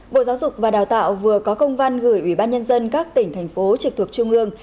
bộ giáo dục và đào tạo vừa có công văn gửi ủy ban nhân dân các tỉnh thành phố trực thuộc trung ương